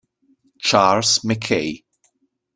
Charles Mackay